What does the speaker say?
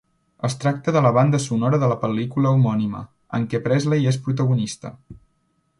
Es tracta de la banda sonora de la pel·lícula homònima, en què Presley és protagonista.